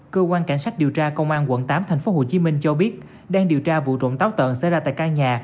cơ quan cảnh sát điều tra công an quận tám tp hcm cho biết đang điều tra vụ trộm táo tợn xảy ra tại căn nhà